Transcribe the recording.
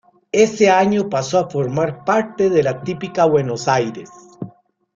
Ese año pasó a formar parte de la Típica Buenos Aires.